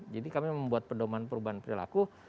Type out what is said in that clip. jadi kami membuat pedoman perubahan perilaku